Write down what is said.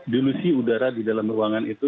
delusi udara di dalam ruangan itu